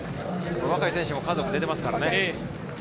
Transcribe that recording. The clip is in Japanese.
若い選手も数多く出てますからね。